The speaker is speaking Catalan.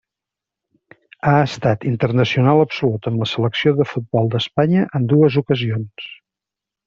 Ha estat internacional absolut amb la selecció de futbol d'Espanya en dues ocasions.